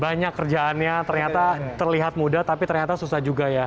banyak kerjaannya ternyata terlihat mudah tapi ternyata susah juga ya